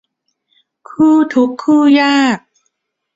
คู่ทุกข์คู่ยาก